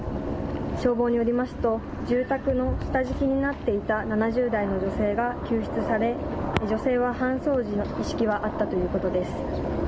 消防によりますと、住宅の下敷きになっていた７０代の女性が救出され、女性は搬送時、意識はあったということです。